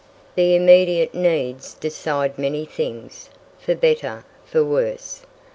The immediate needs decide many things "for better, for worse."